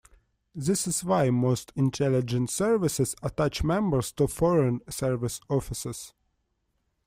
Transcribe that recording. This is why most intelligence services attach members to foreign service offices.